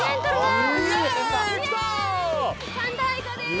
神田愛花です。